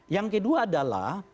yang kedua adalah